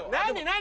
何？